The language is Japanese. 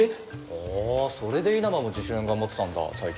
あそれで稲葉も自主練頑張ってたんだ最近。